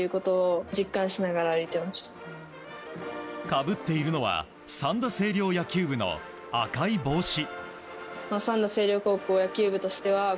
かぶっているのは三田西陵野球部の赤い帽子。